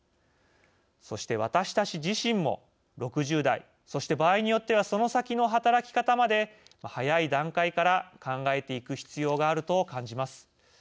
そして私たち自身も６０代、そして場合によってはその先の働き方まで早い段階から考えていく必要があると感じます。